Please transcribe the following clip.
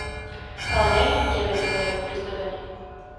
Ale nejenom těmi byly hrobky zdobeny.